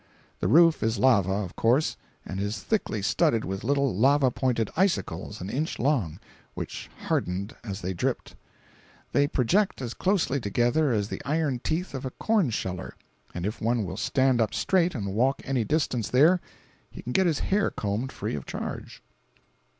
The roof is lava, of course, and is thickly studded with little lava pointed icicles an inch long, which hardened as they dripped. They project as closely together as the iron teeth of a corn sheller, and if one will stand up straight and walk any distance there, he can get his hair combed free of charge.